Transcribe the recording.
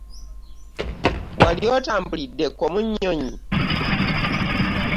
Wali otambuliddeko mu nnyonyi?